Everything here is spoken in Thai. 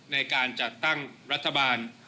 ในการจัดตั้งรัฐบาล